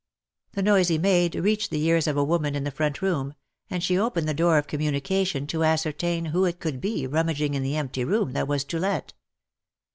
The noise he made reached the ears of a woman in the front room, and she opened the door of communication to ascertain who it could be, rummaging in the empty room that was " to let."